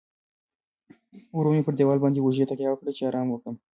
ورو مې پر دیواله باندې اوږې تکیه کړې، چې ارام وکړم.